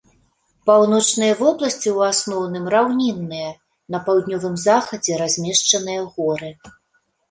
Паўночныя вобласці ў асноўным раўнінныя, на паўднёвым захадзе размешчаныя горы.